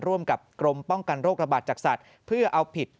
ร่วมกับกรมป้องกันโรคระบาดจักษัตริย์เพื่อเอาผิดกับไสธุ์